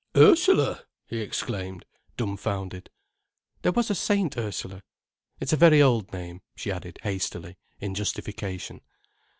"Ursula!" he exclaimed, dumbfounded. "There was a Saint Ursula. It's a very old name," she added hastily, in justification.